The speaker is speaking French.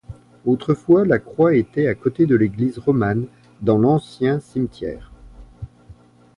Autrefois la croix était à côté de l'église romane dans l'ancien cimetière.